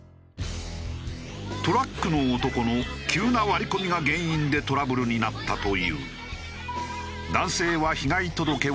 トラックの男の急な割り込みが原因でトラブルになったという。